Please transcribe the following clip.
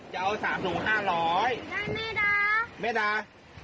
จะเอา๓ถุง๕๐๐ไม่ได้